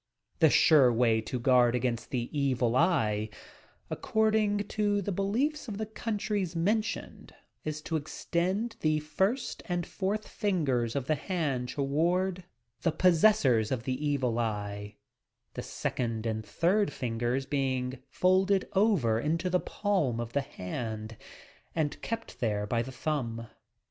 The sure way to guard against the evil eye, — according to the beliefs of the countries mentioned, — is to extend the first and fourth fingers of the hand toward the pos i 310 TOUB PSYCHIC POWERS sessors of the evil eye — the second and third fingers being folded over into the palm of the hand and kept there by the thumb.